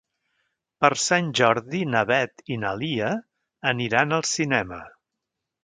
Per Sant Jordi na Beth i na Lia aniran al cinema.